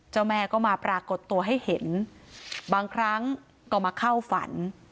แม่ก็มาปรากฏตัวให้เห็นบางครั้งก็มาเข้าฝัน